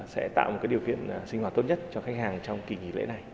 sẽ tạo một điều kiện sinh hoạt tốt nhất cho khách hàng trong kỳ nghỉ lễ này